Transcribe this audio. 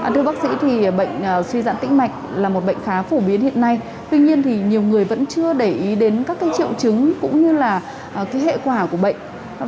thưa bác sĩ thì bệnh suy giãn tĩnh mạch là một bệnh khá phổ biến hiện nay tuy nhiên thì nhiều người vẫn chưa để ý đến các triệu chứng cũng như là hệ quả của bệnh